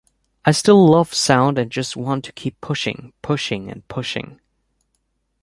I still love sound and just want to keep pushing, pushing and pushing.